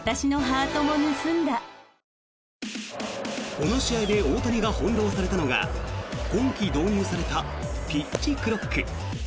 この試合で大谷が翻ろうされたのが今季導入されたピッチクロック。